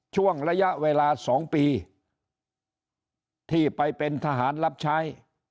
ช่วงระยะเวลา๒ปีที่ไปเป็นทหารรับใช้